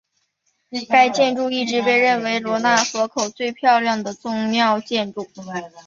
该建筑一直被认为是罗讷河口省最漂亮的宗教建筑。